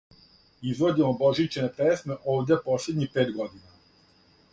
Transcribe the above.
Изводимо божићне песме овде последњих пет година.